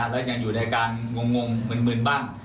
แล้วยังอยู่ในการงงมึนบ้าง